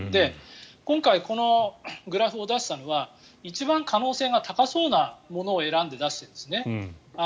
今回、このグラフを出したのは一番可能性が高そうなものを選んで出しているんですね。